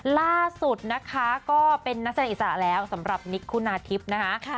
ล่าสุดนะคะก็เป็นนักแสดงอิสระแล้วสำหรับนิกคุณาทิพย์นะคะ